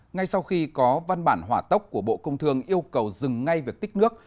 ngay sau khi có văn bản hỏa tốc của bộ công thương yêu cầu dừng ngay việc tích nước